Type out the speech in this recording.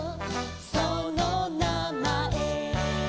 そのなまえ」